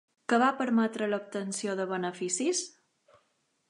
Què va permetre l'obtenció de beneficis?